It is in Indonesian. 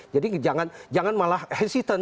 jadi jangan malah hesitant